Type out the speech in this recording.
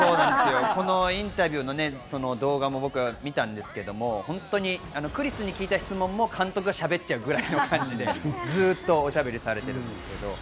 このインタビューの動画も僕、見たんですけども、クリスに聞いた質問も監督がしゃべっちゃうぐらいの感じで、ずっとおしゃべりされています。